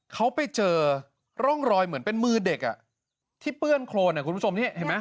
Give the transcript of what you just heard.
เขาไปเจอร่องรอยเหมือนเป็นมือเด็กที่เปื้อนโครนคุณผู้ชมนี่เห็นไหม